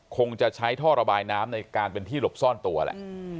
คงจะใช้ท่อระบายน้ำในการเป็นที่หลบซ่อนตัวแหละ